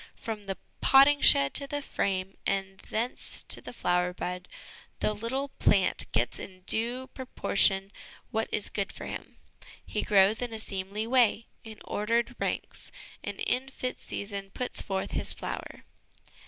From the potting shed to the frame and thence to the flower bed, the little plant gets in due proportion what is good for him. He grows in a seemly way, in ordered ranks ; and in fit season puts forth his flower.